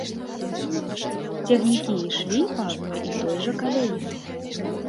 Цягнікі ішлі па адной і той жа каляіне.